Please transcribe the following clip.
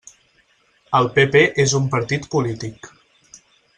El PP és un partit polític.